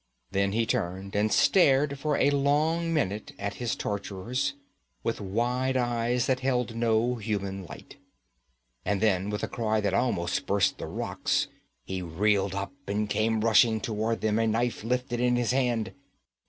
Then he turned and stared for a long minute at his torturers, with wide eyes that held no human light. And then with a cry that almost burst the rocks, he reeled up and came rushing toward them, a knife lifted in his hand.